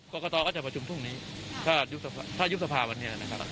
กรกตก็จะประชุมพรุ่งนี้ถ้ายุบสภาวันนี้นะครับ